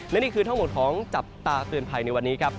และนี่คือทั้งหมดของจับตาเตือนภัยในวันนี้ครับ